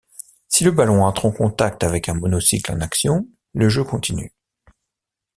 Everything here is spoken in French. Si le ballon entre en contact avec un monocycle en action, le jeu continue.